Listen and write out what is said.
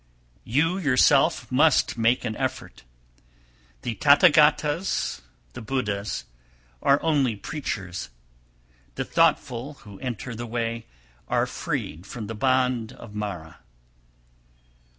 276. You yourself must make an effort. The Tathagatas (Buddhas) are only preachers. The thoughtful who enter the way are freed from the bondage of Mara.